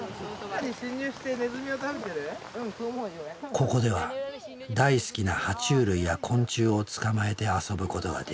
ここでは大好きなは虫類や昆虫を捕まえて遊ぶことができる。